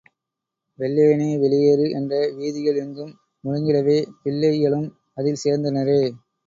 வெள்ளைய னே, வெளி யேறு! என்றே வீதிகள் எங்கும் முழங்கிடவே பிள்ளை களும்அதில் சேர்ந்தனரே.